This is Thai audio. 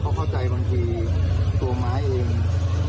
เขาเข้าใจบางทีตัวไม้เอง